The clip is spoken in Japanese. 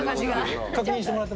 確認してもらっても。